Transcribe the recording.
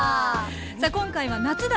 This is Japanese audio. さあ今回は「夏だ！